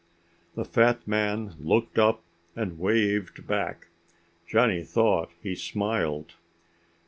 The fat man looked up and waved back. Johnny thought he smiled.